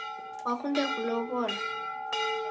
Kwakunde kulow'olwa?